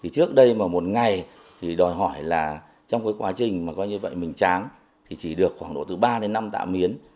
trước đây một ngày đòi hỏi là trong quá trình mình trắng chỉ được khoảng độ từ ba đến năm tạ miến